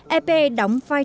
epe đóng vai trò